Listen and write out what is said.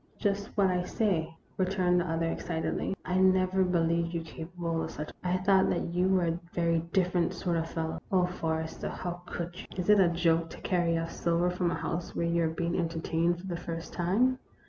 " Just what I say," returned the other, excitedly. " I never believed you capable of such a thing. I thought that you were a very different sort of fellow. Oh, Forrester, how could you ? Is it a joke to carry off silver from a house where you are being enter THE ROMANCE OF A SPOON. 199 tained for the first time